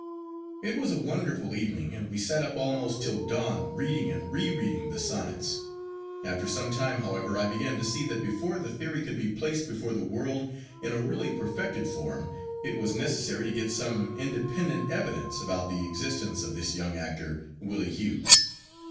'It was a wonderful evening, and we sat up almost till dawn reading and re reading the Sonnets. After some time, however, I began to see that before the theory could be placed before the world in a really perfected form, it was necessary to get some independent evidence about the existence of this young actor, Willie Hughes.